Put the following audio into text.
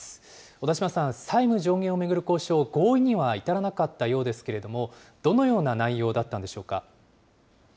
小田島さん、債務上限を巡る交渉、合意には至らなかったようですけれども、どのような内容だったんでしょうか。